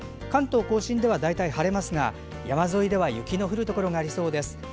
関東・甲信では大体晴れますが山沿いでは雪の降るところがありそうです。